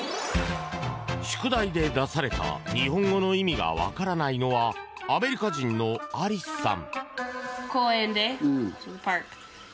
宿題で出された日本語の意味が分からないのはアメリカ人のアリスさん。